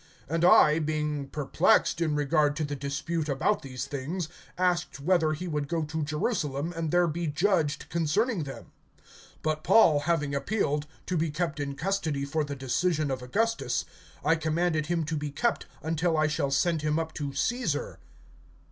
(20)And I, being perplexed in regard to the dispute about these things, asked whether he would go to Jerusalem, and there be judged concerning them. (21)But Paul having appealed, to be kept in custody for the decision of Augustus, I commanded him to be kept until I shall send him up to Caesar.